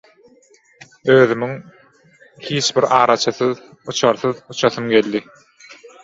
özümiň hiç bir araçysyz, uçarsyz uçasym geldi.